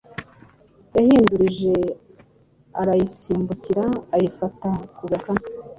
yahindurije! Arayisimbukira ayifata ku gakanu